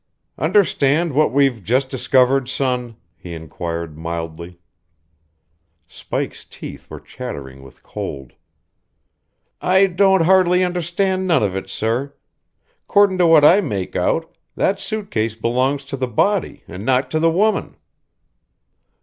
"Understand what we've just discovered, son?" he inquired mildly. Spike's teeth were chattering with cold. "I don't hardly understand none of it, sir. 'Cording to what I make out, that suit case belongs to the body and not to the woman."